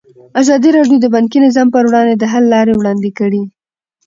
ازادي راډیو د بانکي نظام پر وړاندې د حل لارې وړاندې کړي.